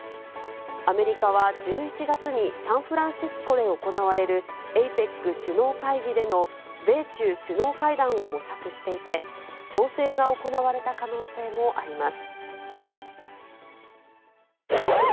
アメリカは１１月にサンフランシスコで行われるＡＰＥＣ首脳会議での米中首脳会談を模索していて、調整が行われた可能性もあります。